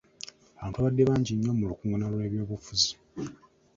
Abantu baabadde bangi nnyo mu lukungaana lw'eby'obufuzi.